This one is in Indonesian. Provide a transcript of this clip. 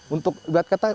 untuk biar kata